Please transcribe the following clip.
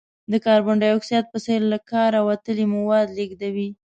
د کاربن ډای اکساید په څېر له کاره وتلي مواد لیږدوي.